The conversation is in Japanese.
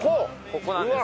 ここなんです。